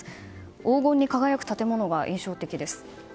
黄金に輝く建物が印象的です。